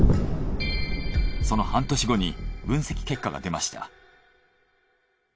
その半年後に分析結果が出ました。